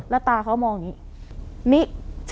แล้วตาเขามองอย่างนี้